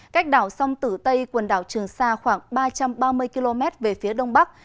cách đảo sông tử tây quần đảo trường sa khoảng ba trăm ba mươi km về phía đông bắc